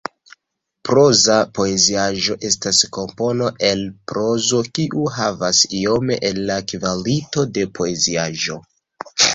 Proza poeziaĵo estas kompono en prozo kiu havas iome el la kvalitoj de poeziaĵo.